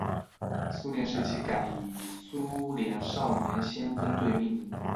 苏联时期改以苏联少年先锋队命名。